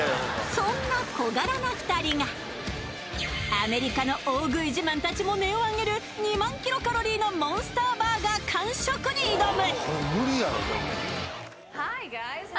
アメリカの大食い自慢達も音を上げる２００００キロカロリーのモンスターバーガー完食に挑む！